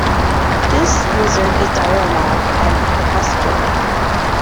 This lizard is diurnal and crepuscular.